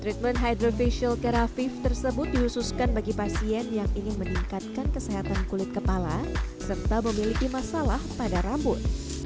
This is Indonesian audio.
treatment hydroficial terafive tersebut dihususkan bagi pasien yang ingin meningkatkan kesehatan kulit kepala serta memiliki masalah pada rambut